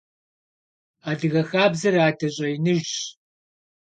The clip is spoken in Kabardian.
Адыгэ хабзэр адэ щӀэиныжьщ.